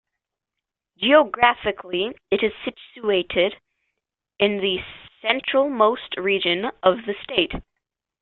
Geographically, it is situated in the central-most region of the state.